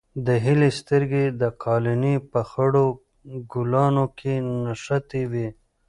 د هیلې سترګې د قالینې په خړو ګلانو کې نښتې وې.